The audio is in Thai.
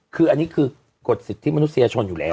คืออันนี้คือกฎสิทธิมนุษยชนอยู่แล้ว